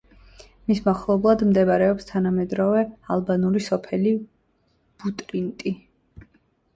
მის მახლობლად მდებარეობს თანამედროვე ალბანური სოფელი ბუტრინტი.